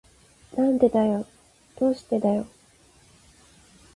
なんでだよ。どうしてだよ。